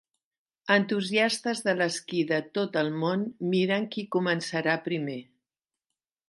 Entusiastes de l'esquí de tot el món miren qui començarà primer.